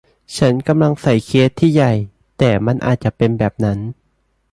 ฉันกำลังใส่เคสที่ใหญ่ แต่มันอาจจะเป็นแบบนั้น